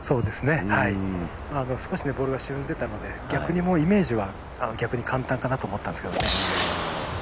少しボールが沈んでたので逆にイメージは、逆に簡単かなと思ったんですけどね。